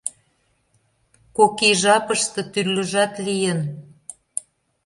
Кок ий жапыште тӱрлыжат лийын.